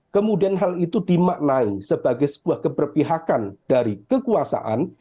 kemudian hal itu dimaknai sebagai sebuah keberpihakan dari kekuasaan